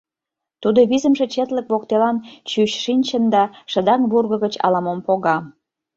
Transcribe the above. Тудо визымше четлык воктелан чӱч шинчын да шыдаҥ вурго гыч ала-мом пога.